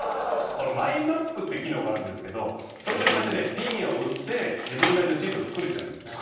これマイマップって機能があるんですけどそれでこうやってねピンを打って自分なりの地図を作れちゃうんですね。